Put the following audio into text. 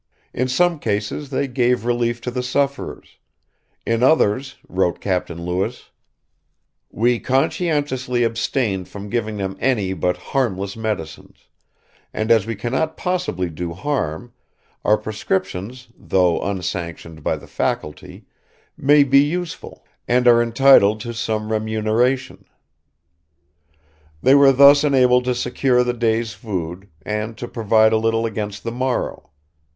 In some cases they gave relief to the sufferers; in others, wrote Captain Lewis, "we conscientiously abstained from giving them any but harmless medicines; and as we cannot possibly do harm, our prescriptions, though unsanctioned by the faculty, may be useful, and are entitled to some remuneration." They were thus enabled to secure the day's food, and to provide a little against the morrow.